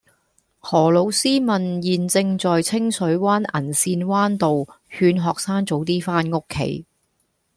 何老師問現正在清水灣銀線灣道勸學生早啲返屋企